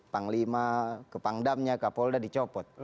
panglima ke pangdamnya ke polo udah dicopot